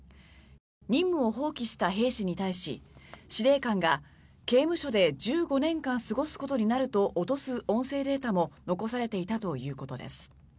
任務を放棄した兵士に対し司令官が刑務所で１５年間過ごすことになると脅す音声データも残されていたということです。